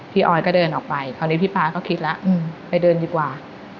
ออยก็เดินออกไปคราวนี้พี่ป๊าก็คิดแล้วไปเดินดีกว่า